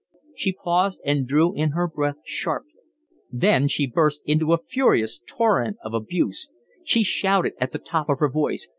She paused and drew in her breath sharply. Then she burst into a furious torrent of abuse. She shouted at the top of her voice.